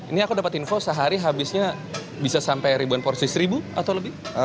ini aku dapat info sehari habisnya bisa sampai ribuan porsi seribu atau lebih